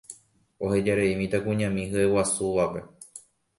Ohejarei mitãkuñami hyeguasúvape.